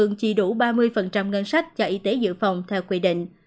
chỉ đủ ba mươi ngân sách cho y tế dự phòng theo quy định